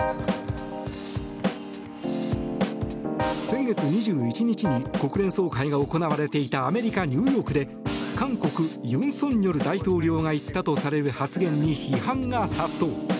先月２１日に国連総会が行われていたアメリカ・ニューヨークで韓国、尹錫悦大統領が言ったとされる発言に批判が殺到。